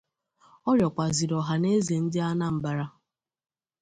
Ọ rịọkwazịrị ọhaneze Ndị Anambra